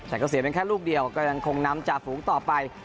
แต่เกษียณเป็นแค่ลูกเดียวก็ยังคงนำจากฝูงต่อไป